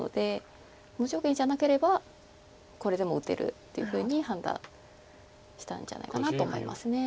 無条件じゃなければこれでも打てるっていうふうに判断したんじゃないかなと思います。